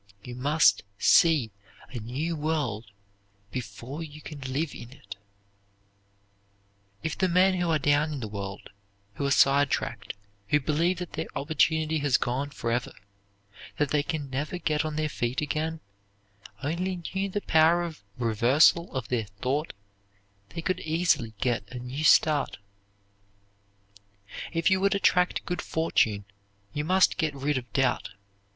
You must see a new world before you can live in it. If the people who are down in the world, who are side tracked, who believe that their opportunity has gone forever, that they can never get on their feet again, only knew the power of reversal of their thought, they could easily get a new start. If you would attract good fortune you must get rid of doubt.